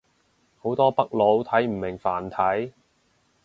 好多北佬睇唔明繁體